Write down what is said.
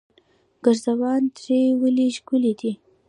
ګرزوان درې ولې ښکلې دي؟